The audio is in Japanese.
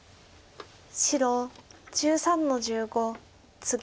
白１３の十五ツギ。